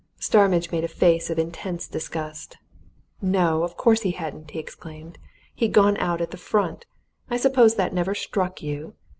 Starmidge made a face of intense disgust. "No, of course he hadn't!" he exclaimed. "He'd gone out at the front. I suppose that never struck you?